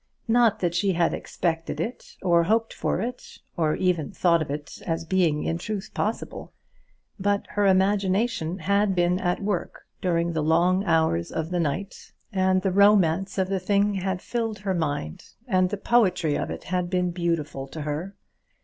Not that she had expected it, or hoped for it, or even thought of it as being in truth possible; but her imagination had been at work, during the long hours of the night, and the romance of the thing had filled her mind, and the poetry of it had been beautiful to her.